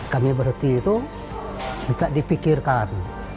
kami berhenti itu minta dipikirkan